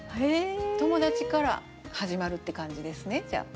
友達から始まるって感じですねじゃあ。